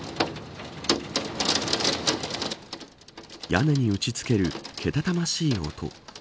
屋根に打ちつけるけたたましい音。